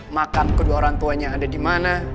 makam kedua orang tuanya ada di mana